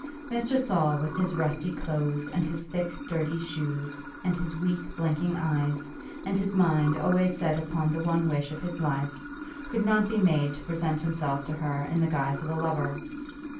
Mr. Saul, with his rusty clothes and his thick, dirty shoes, and his weak, blinking eyes, and his mind always set upon the one wish of his life, could not be made to present himself to her in the guise of a lover.